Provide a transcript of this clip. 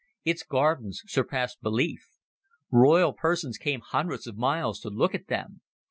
Its gardens surpassed belief; royal persons came hundreds of miles to look at them.